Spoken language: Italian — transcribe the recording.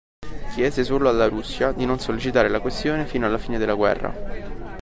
Chiese solo alla Russia di non sollecitare la questione fino alla fine della guerra.